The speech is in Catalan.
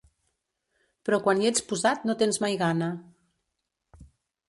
Però quan hi ets posat no tens mai gana.